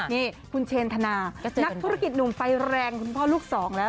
นี่คุณเชนธนานักธุรกิจหนุ่มไฟแรงคุณพ่อลูกสองแล้ว